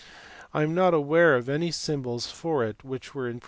I am not aware of any symbols for it which were in.